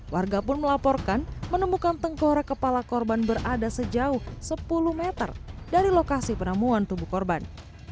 warga pun melaporkan menemukan tengkorak kepala korban berada sejauh sepuluh meter dari lokasi penemuan tubuh korban